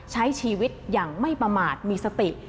ใช้ชีวิตอย่างไม่ประมาทมีสติ